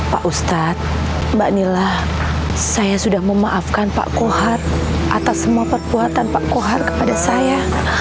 pak ustadz mbak nila saya sudah memaafkan pak kohar atas semua perbuatan pak kohar kepada saya